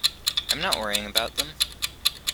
I'm not worrying about them.